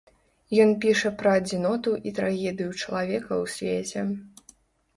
Ён піша пра адзіноту і трагедыю чалавека ў свеце.